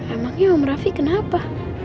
emangnya om rafi kenapa